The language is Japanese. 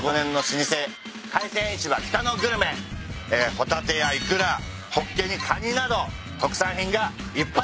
ホタテやイクラホッケにカニなど特産品がいっぱいです！